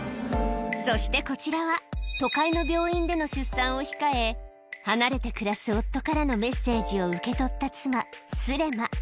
そしてこちらは、都会の病院での出産を控え、離れて暮らす夫からのメッセージを受け取った妻、スレマ。